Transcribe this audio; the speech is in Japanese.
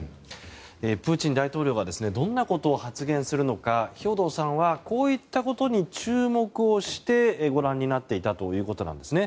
プーチン大統領がどんなことを発言するのか兵頭さんはこういったことに注目をしてご覧になっていたということなんですね。